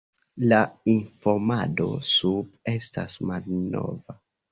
La informado sube estas malnova.